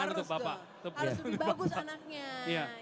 harus lebih bagus anaknya